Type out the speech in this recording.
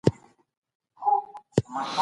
پوره خوب وکړه